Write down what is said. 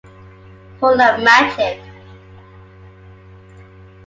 Full of magic.